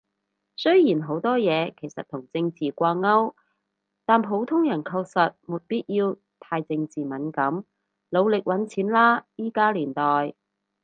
雖然好多嘢其實同政治掛鈎，但普通人確實沒必要太政治敏感。努力搵錢喇依家年代